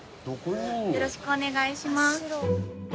よろしくお願いします。